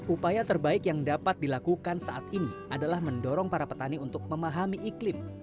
upaya terbaik yang dapat dilakukan saat ini adalah mendorong para petani untuk memahami iklim